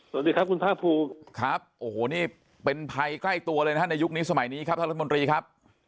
สวัสดีครับคุณภาคภูมิครับโอ้โหนี่เป็นภัยใกล้ตัวเลยนะฮะในยุคนี้สมัยนี้ครับท่านรัฐมนตรีครับ